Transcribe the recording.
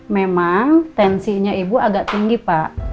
memang tensinya ibu agak tinggi pak